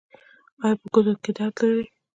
ایا په ګوتو کې درد لرئ؟